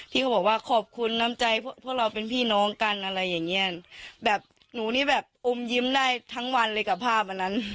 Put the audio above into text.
เขาบอกว่าขอบคุณน้ำใจพวกเราเป็นพี่น้องกันอะไรอย่างเงี้ยแบบหนูนี่แบบอมยิ้มได้ทั้งวันเลยกับภาพอันนั้น